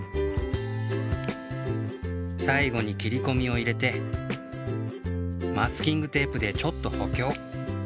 さいごにきりこみを入れてマスキングテープでちょっとほきょう。